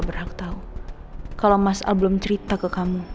berarti memang tak ada soal tangkap